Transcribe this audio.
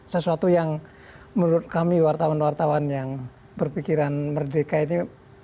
sesuatu yang menurut kami wartawan wartawan yang berpikiran merdeka ini